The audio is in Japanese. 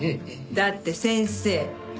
だって先生